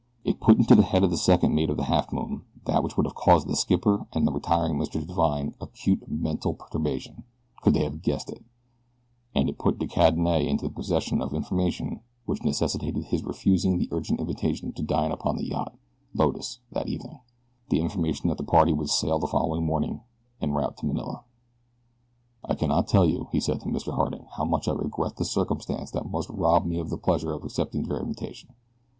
It put into the head of the second mate of the Halfmoon that which would have caused his skipper and the retiring Mr. Divine acute mental perturbation could they have guessed it; and it put De Cadenet into possession of information which necessitated his refusing the urgent invitation to dine upon the yacht, Lotus, that evening the information that the party would sail the following morning en route to Manila. "I cannot tell you," he said to Mr. Harding, "how much I regret the circumstance that must rob me of the pleasure of accepting your invitation.